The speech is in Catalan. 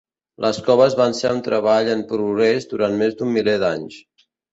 Les coves van ser un treball en progrés durant més d'un miler d'anys.